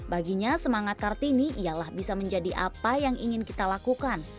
baginya semangat kartini ialah bisa menjadi apa yang ingin kita lakukan